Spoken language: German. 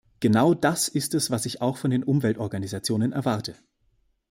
Genau das ist es, was ich auch von den Umweltorganisationen erwarte.